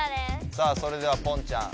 さあそれではポンちゃん